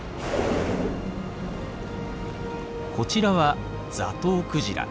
こちらはザトウクジラ。